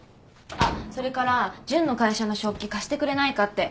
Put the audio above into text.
あっそれから純の会社の食器貸してくれないかって。